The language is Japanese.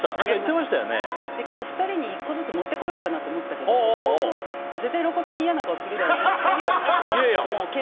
今日、２人に１個ずつ持ってこようかなと思ったけど絶対、露骨に嫌な顔するだろうなって。